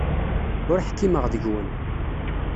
Ur ḥkimeɣ deg-wen.